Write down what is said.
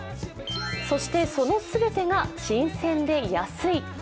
そして、その全てが新鮮で安い。